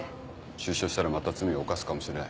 出所したらまた罪を犯すかもしれない。